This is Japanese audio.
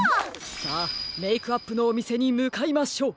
さあメイクアップのおみせにむかいましょう！